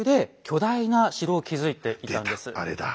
あれだ。